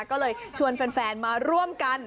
ก็เลยชวนแฟนมาร่วมกัน